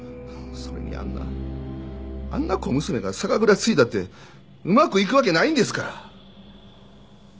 それにあんなあんな小娘が酒蔵継いだってうまくいくわけないんですから！